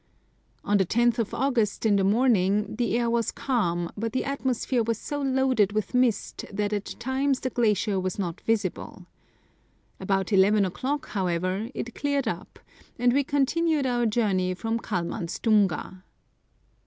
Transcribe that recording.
On the loth of August in the morning the air was calm, but the atmosphere was so loaded with mist that at times the glacier was not visible. About eleven o'clock, however, it cleared up, and we continued our journey from Kalmanstiinga.